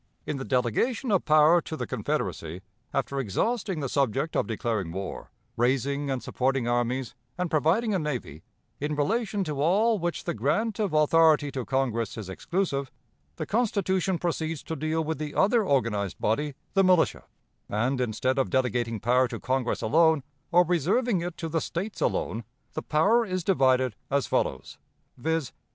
"In the delegation of power to the Confederacy, after exhausting the subject of declaring war, raising and supporting armies, and providing a navy, in relation to all which the grant of authority to Congress is exclusive, the Constitution proceeds to deal with the other organized body, the militia; and, instead of delegating power to Congress alone, or reserving it to the States alone, the power is divided as follows, viz.